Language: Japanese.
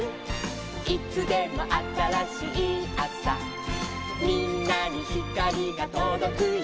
「いつでもあたらしいあさ」「みんなにひかりがとどくよ」